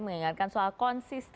mengingatkan soal konsisten